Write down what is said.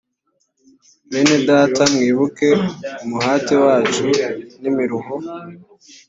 bene data mwibuke umuhati wacu n imiruho